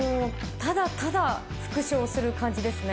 ただただ復唱する感じです。